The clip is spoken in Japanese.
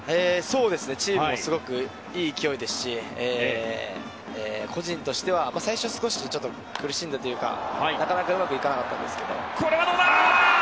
チームもすごくいい勢いですし個人としては先週、少し苦しんだというかなかなかうまくいかなかったんですけど。